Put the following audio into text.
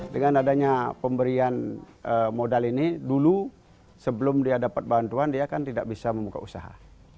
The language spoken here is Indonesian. dengan adanya pemberian modal ini dulu sebelum dia dapat bantuan dia kan tidak bisa membuka usaha